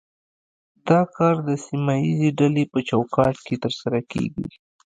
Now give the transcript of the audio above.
دا کار د سیمه ایزې ډلې په چوکاټ کې ترسره کیږي